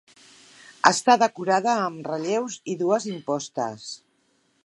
Està decorada amb relleus i dues impostes.